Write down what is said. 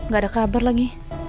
gak ada kabar lagi